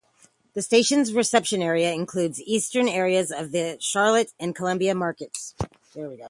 This station's reception area includes eastern areas of the Charlotte and Columbia markets.